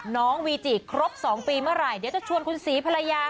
น้องวีจิครบ๒ปีเมื่อไหร่เดี๋ยวจะชวนคุณศรีภรรยา